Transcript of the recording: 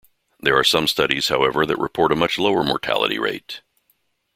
There are some studies however that report a much lower mortality rate.